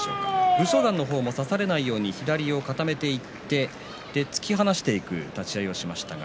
武将山の方も差されないように左を固めていって突き放していく立ち合いをしましたが。